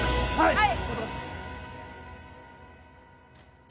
はい！